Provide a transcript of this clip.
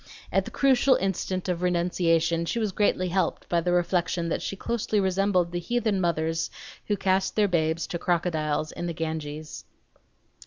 At the crucial instant of renunciation she was greatly helped by the reflection that she closely resembled the heathen mothers who cast their babes to the crocodiles in the Ganges.